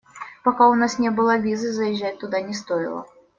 Пока у нас не было визы, заезжать туда не стоило.